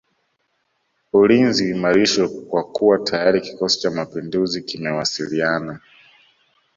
Ulinzi uimarishwe kwa kuwa tayari kikosi cha mapinduzi kimewasiliana